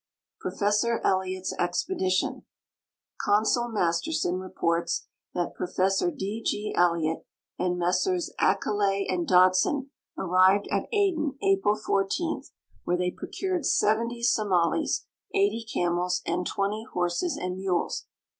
Profe ssor Elliot's Expedition. Consul Masterson reports that Prof. D. G. Elliot and Messrs Akeley and Dodson arrived at Aden April 14, where they procured 70 Somalis, 80 camels, and 20 horses and mules.